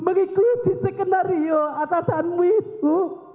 mengikuti sekenario atasanmu itu